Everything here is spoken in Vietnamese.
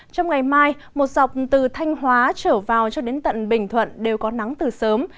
trong ngày mai một dọc từ thanh hóa trở vào cho đến tận bình thuận đều có nắng từ sớm